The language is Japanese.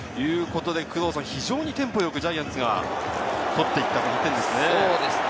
非常にテンポよくジャイアンツが取っていった２点ですね。